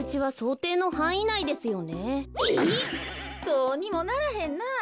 どうにもならへんなあ。